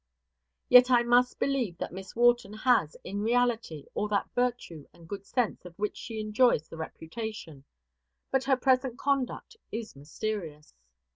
Yet I must believe that Miss Wharton has, in reality, all that virtue and good sense of which she enjoys the reputation; but her present conduct is mysterious.